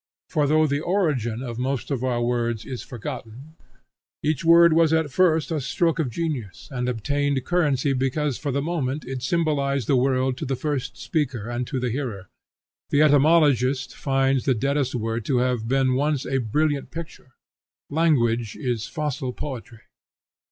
For though the origin of most of our words is forgotten, each word was at first a stroke of genius, and obtained currency because for the moment it symbolized the world to the first speaker and to the hearer. The etymologist finds the deadest word to have been once a brilliant picture. Language is fossil poetry.